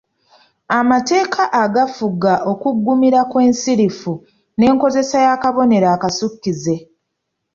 Amateeka agafuga okuggumira kw’ensirifu n’enkozesa y’akabonero akasukkize.